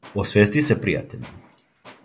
Освести се пријатељу.